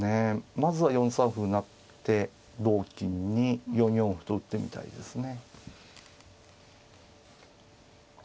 まずは４三歩成って同金に４四歩と打ってみたいですね。